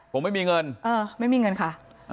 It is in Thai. ผมไม่มีเงินไม่มีเงินค่ะ